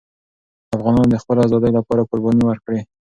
افغانانو د خپلې آزادۍ لپاره قربانۍ ورکړې.